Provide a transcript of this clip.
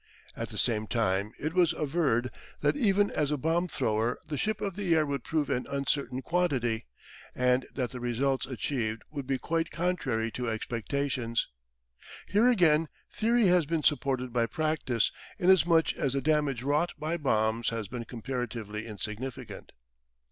At the same time it was averred that even as a bomb thrower the ship of the air would prove an uncertain quantity, and that the results achieved would be quite contrary to expectations. Here again theory has been supported by practice, inasmuch as the damage wrought by bombs has been comparatively insignificant.